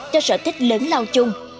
cho sở thích lớn lao chung